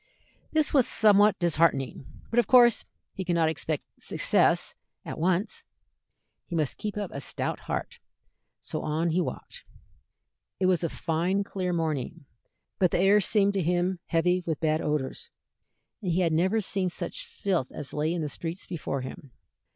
This was somewhat disheartening, but of course he could not expect success at once. He must keep up a stout heart, so on he walked. It was a fine clear morning, but the air seemed to him heavy with bad odors, and he had never seen such filth as lay in the streets before him.